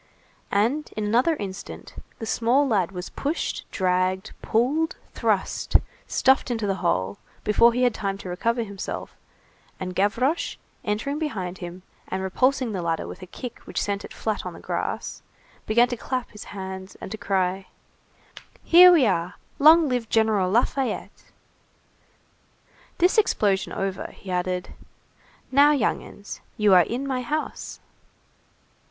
And in another instant, the small lad was pushed, dragged, pulled, thrust, stuffed into the hole, before he had time to recover himself, and Gavroche, entering behind him, and repulsing the ladder with a kick which sent it flat on the grass, began to clap his hands and to cry:— "Here we are! Long live General Lafayette!" This explosion over, he added:— "Now, young 'uns, you are in my house."